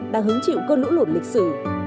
đang hứng chịu cơn lũ lụt lịch sử